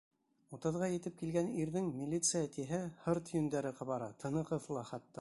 Утыҙға етеп килгән ирҙең «милиция» тиһә һырт йөндәре ҡабара, тыны ҡыҫыла хатта.